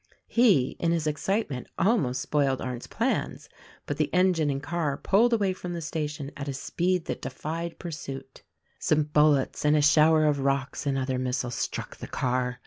He, in his excitement, almost spoiled Arndt's plans; but the engine and car pulled away from the station at a speed that defied pursuit. Some bullets and a shower of rocks and other missiles struck the car.